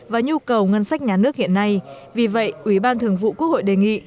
và nhu cầu ngân sách nhà nước hiện nay vì vậy ủy ban thường vụ quốc hội đề nghị